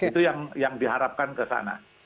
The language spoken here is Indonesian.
itu yang diharapkan ke sana